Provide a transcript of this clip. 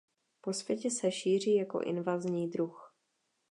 Po světě se šíří jako invazní druh.